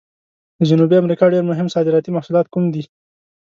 د جنوبي امریکا ډېر مهم صادراتي محصولات کوم دي؟